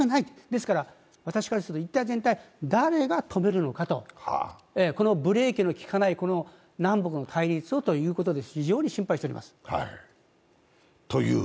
ですから、私からすると、一体全体誰が止めるのかと、このブレー気の利かない南北の対立をということで非常に心配しております。